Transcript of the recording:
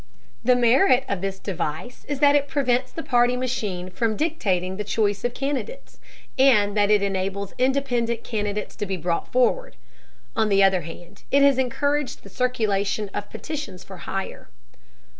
The merit of this device is that it prevents the party machine from dictating the choice of candidates, and that it enables independent candidates to be brought forward. On the other hand, it has encouraged the circulation of petitions for hire.